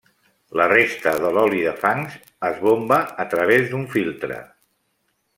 La resta de l'oli de fangs es bomba a través d'un filtre.